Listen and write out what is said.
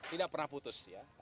tidak pernah putus ya